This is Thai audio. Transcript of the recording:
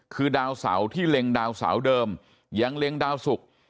คือดาวเสาที่เล็งดาวเสาเดิมยังเล็งดาวสุก